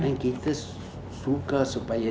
dan kita suka supaya